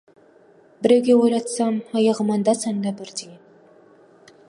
Біреуге ойлатсам, аяғым анда-санда бір тиеді.